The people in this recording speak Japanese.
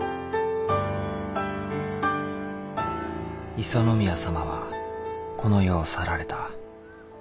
五十宮様はこの世を去られた。